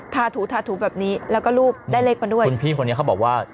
ถูทาถูแบบนี้แล้วก็รูปได้เลขมาด้วยคุณพี่คนนี้เขาบอกว่า